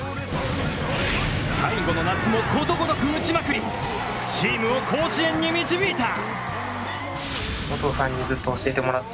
最後の夏もことごとく打ちまくりチームを甲子園に導いた！